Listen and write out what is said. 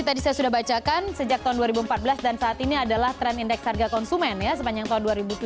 tadi saya sudah bacakan sejak tahun dua ribu empat belas dan saat ini adalah tren indeks harga konsumen ya sepanjang tahun dua ribu tujuh belas